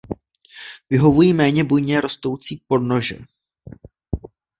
Vyhovují méně bujně rostoucí podnože.